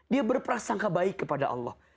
dia berprasangka baik kepada allah